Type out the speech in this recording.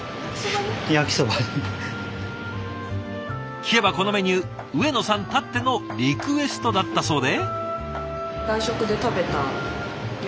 聞けばこのメニュー上野さんたってのリクエストだったそうで。